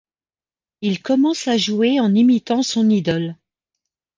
Il commence à jouer en imitant son idole.